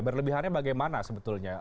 berlebihannya bagaimana sebetulnya